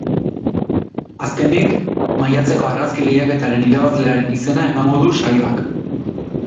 Azkenik, maiatzeko argazki-lehiaketaren irabazlearen izena emango du saioak.